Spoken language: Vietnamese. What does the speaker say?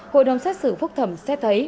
hội đồng xét xử phúc thẩm sẽ thấy